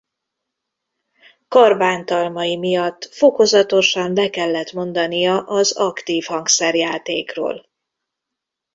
Karbántalmai miatt fokozatosan le kellett mondania az aktív hangszerjátékról.